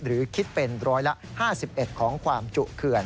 หรือคิดเป็นร้อยละ๕๑ของความจุเขื่อน